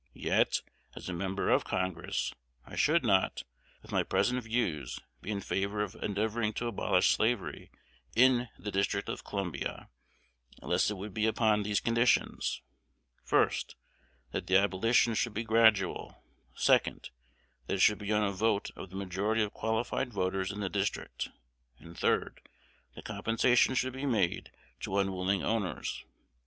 Yet, as a member of Congress, I should not, with my present views, be in favor of endeavoring to abolish slavery in the District of Columbia, unless it would be upon these conditions: First, that the abolition should be gradual; Second, That it should be on a vote of the majority of qualified voters in the District; and Third, That compensation should be made to unwilling owners.